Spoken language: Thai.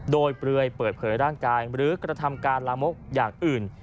โดยเปลือยเปิดเผยร่างกายหรือกระทำการลามกอย่างอื่น